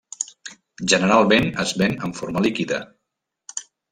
Generalment es ven en forma líquida.